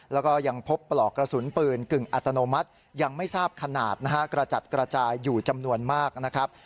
แล้วก็ยังพบปลอกกระสุนปืนกึ่งอัตโนมัติยังไม่ทราบขนาดนะฮะกระจัดกระจายอยู่จำนวนมากนะครับ